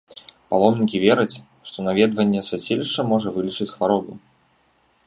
Паломнікі вераць, што наведванне свяцілішча можа вылечыць хваробу.